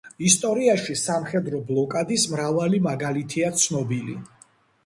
ისტორიაში სამხედრო ბლოკადის მრავალი მაგალითია ცნობილი.